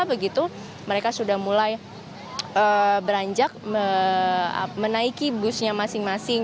begitu mereka sudah mulai beranjak menaiki busnya masing masing